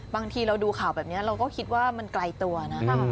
บางทีเราดูข่าวแบบนี้เราก็คิดว่ามันไกลตัวนะ